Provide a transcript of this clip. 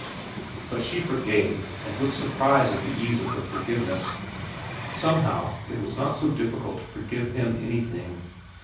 But she forgave, and with surprise at the ease of her forgiveness. Somehow it was not so difficult to forgive him anything.